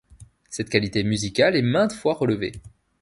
Cette qualité musicale est maintes fois relevée.